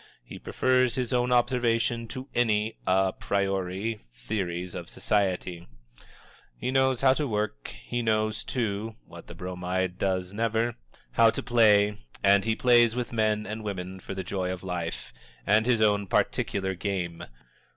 He prefers his own observation to any a priori theories of society. He knows how to work, but he knows, too (what the Bromide does never), how to play, and he plays with men and women for the joy of life, and his own particular game.